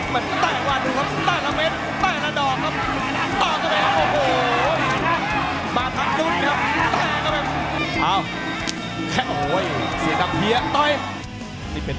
ต้องใส่กว่าดูครับต้องต่อก็ได้มีต้องต้องก็ไม่เป็น